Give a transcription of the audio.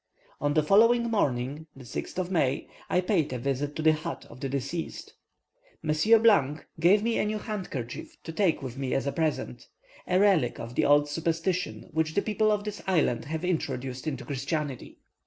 On the following morning, 6th May, I paid a visit to the hut of the deceased. Monsieur gave me a new handkerchief to take with me as a present a relic of the old superstition which the people of this island have introduced into Christianity.